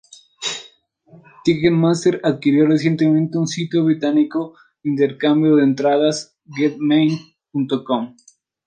Ticketmaster adquirió recientemente un sitio británico de intercambio de entradas, Getmein.com.